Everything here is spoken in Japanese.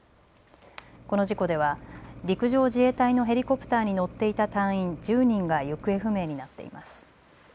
この事故では陸上自衛隊のヘリコプターに乗っていた隊員１０人が行方不明になっています。